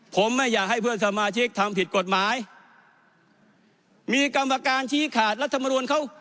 ผมไม่อยากให้เพื่อนสมาชิกทำผิดกฎหมายมีกรรมการชี้ขาดรัฐมนุนเขา